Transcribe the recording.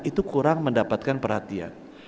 itu kurang mendapatkan perhatian